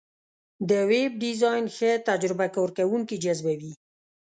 د ویب ډیزاین ښه تجربه کارونکي جذبوي.